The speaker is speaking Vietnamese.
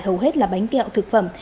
hầu hết là bánh kẹo thực phẩm